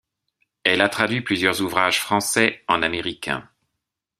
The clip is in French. Elle a traduit plusieurs ouvrages français en américain.